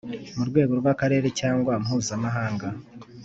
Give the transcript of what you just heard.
mu rwego rw akarere cyangwa mpuzamahanga